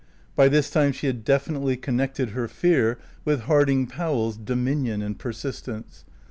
By this time she had definitely connected her fear with Harding Powell's dominion and persistence.